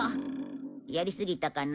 やりすぎたかな。